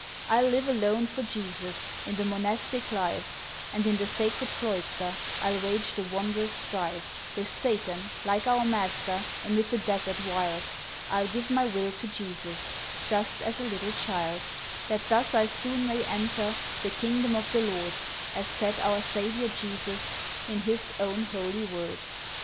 I'll live alone for Jesus In the Monastic Life, And in the sacred cloister I'll wage the wondrous strife With Satan, like our Master, Amid the desert wild, I'll give my will to Jesus, Just as a little child, That thus I soon 'may enter The Kingdom' of the Lord, As said our Saviour Jesus, In His own Holy Word."